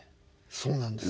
そうなんです。